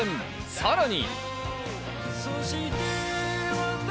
さらに。